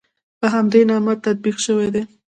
په همدې نامه تطبیق شوي دي.